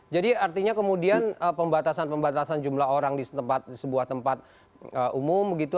jadi artinya kemudian pembatasan pembatasan jumlah orang di sebuah tempat umum gitu